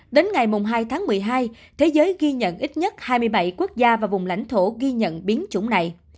đến ngày hai tháng một mươi hai thế giới ghi nhận ít nhất hai mươi bảy quốc gia và vùng lãnh thổ ghi nhận biến chủng này